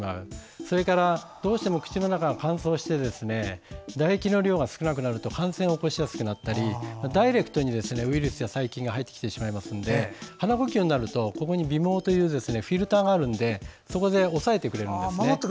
それから、どうしても口の中が乾燥して唾液の量が少なくなると乾燥を起こしやすくなったりダイレクトにウイルスや細菌が入ってきてしまうので鼻呼吸になると鼻毛というフィルターがあるのでそれで抑えてくれるんです。